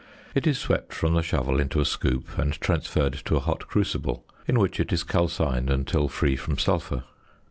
It is swept from the shovel into a scoop, and transferred to a hot crucible; in which it is calcined until free from sulphur.